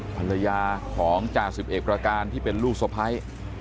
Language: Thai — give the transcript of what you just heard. ภรรยาของจ่าสิบเอกประการที่เป็นลูกสะพ้าย